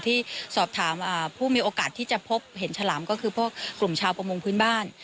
ที่สอบถามผู้มีโอกาสที่จะพบเห็นฉลามก็คือพวกกลุ่มชาวประมงพื้นบ้าน